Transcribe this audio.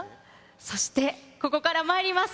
そして、ここからまいります。